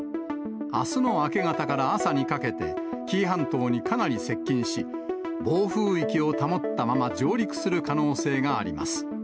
あすの明け方から朝にかけて、紀伊半島にかなり接近し、暴風域を保ったまま上陸する可能性があります。